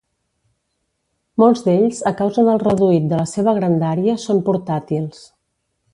Molts d'ells a causa del reduït de la seva grandària són portàtils.